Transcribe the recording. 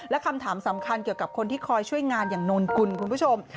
และคำถามสำคัญเกี่ยวกับคนที่คอยช่วยงานอย่างนนกุลคุณผู้ชม